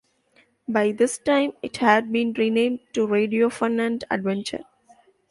By this time it had been renamed to Radio Fun and Adventure.